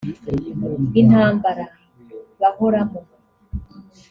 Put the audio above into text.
intambara bahoramo